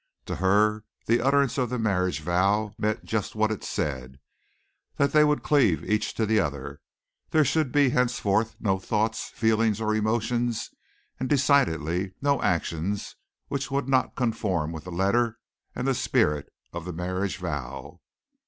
To her the utterance of the marriage vow meant just what it said, that they would cleave each to the other; there should be henceforth no thoughts, feelings, or emotions, and decidedly no actions which would not conform with the letter and the spirit of the marriage vow.